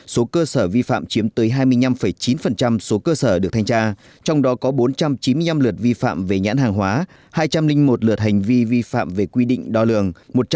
số cơ sở vi phạm chiếm tới hai mươi năm chín số cơ sở được thanh tra trong đó có bốn trăm chín mươi năm lượt vi phạm về nhãn hàng hóa hai trăm linh một lượt hành vi vi phạm về quy định đo lường